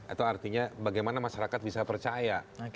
itu artinya bagaimana masyarakat bisa percaya